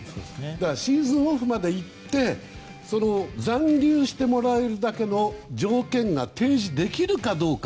だからシーズンオフまで行って残留してもらえるだけの条件が提示できるかどうか。